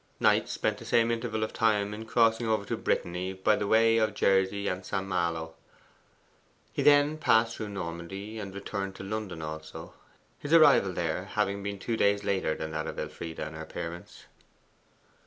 Knight spent the same interval of time in crossing over to Brittany by way of Jersey and St. Malo. He then passed through Normandy, and returned to London also, his arrival there having been two days later than that of Elfride and her parents.